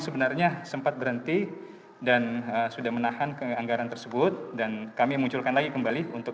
sebenarnya sempat berhenti dan sudah menahan ke anggaran tersebut dan kami munculkan lagi kembali untuk